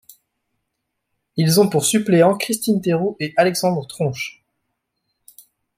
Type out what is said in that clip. Ils ont pour suppléants Christine Terrou et Alexandre Tronche.